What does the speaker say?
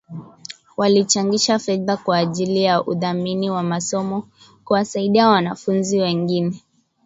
Walichangisha fedha kwa ajili ya udhamini wa masomo kuwasaidia wanafunzi wengine